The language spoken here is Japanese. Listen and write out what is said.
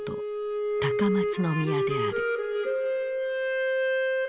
高松宮である。